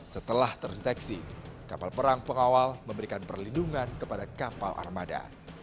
setelah terdeteksi kapal perang pengawal memberikan perlindungan kepada kapal armada